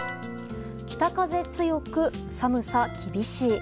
北風強く、寒さ厳しい。